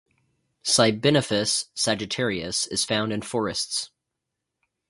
"Sibynophis sagittarius" is found in forests.